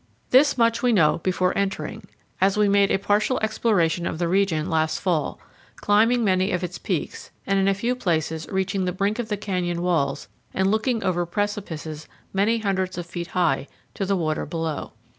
This much we know before entering, as we made a partial exploration of the region last fall, climbing many of its peaks, and in a few places reaching the brink of the canyon walls and looking over precipices many hundreds of feet high to the water below.